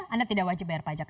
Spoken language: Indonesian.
anda tidak wajib bayar pajak